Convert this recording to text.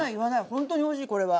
ほんとにおいしいこれは。